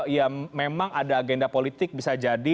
ya memang ada agenda politik bisa jadi